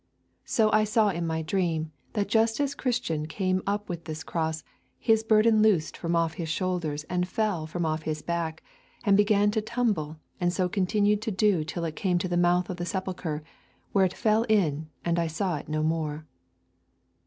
So I saw in my dream, that just as Christian came up with this cross, his burden loosed from off his shoulders and fell from off his back, and began to tumble, and so continued to do till it came to the mouth of the sepulchre, where it fell in, and I saw it no more.'